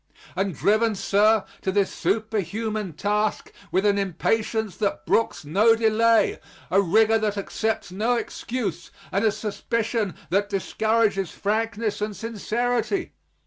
And driven, sir, to this superhuman task with an impatience that brooks no delay a rigor that accepts no excuse and a suspicion that discourages frankness and sincerity.